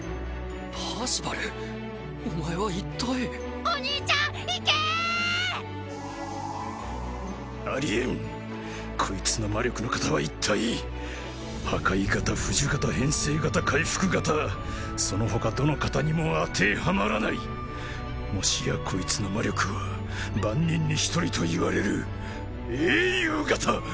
パーシバルお前は一体お兄ちゃんいけー！ありえんこいつの魔力の型は一体破壊型付呪型変性型回復型その他どの型にも当てはまらないもしやこいつの魔力は万人に一人といわれる英雄型！